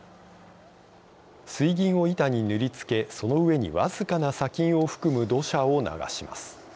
水銀を板に塗りつけその上に僅かな砂金を含む土砂を流します。